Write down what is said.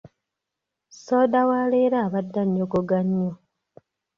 Soda wa leero abadde annyogoga nnyo.